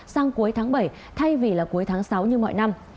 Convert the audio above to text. sang cuối tháng bảy thay vì là cuối tháng sáu như mọi năm